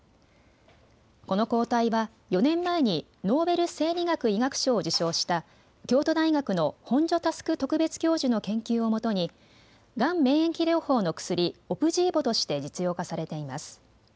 この抗体は４年前にノーベル生理学・医学賞を受賞した京都大学の本庶佑特別教授の研究をもとにがん免疫療法の薬、オプジーボとして実用化されています。